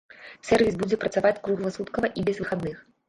Сэрвіс будзе працаваць кругласуткава і без выхадных.